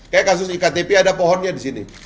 kayak kasus iktp ada pohonnya di sini